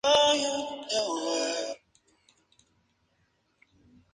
Así mismo, se incluyen los tres edificios de Lagares existentes.